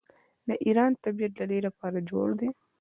د ایران طبیعت د دې لپاره جوړ دی.